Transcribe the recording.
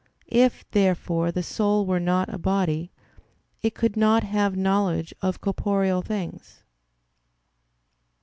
If, therefore, the soul were not a body, it could not have knowledge of corporeal things.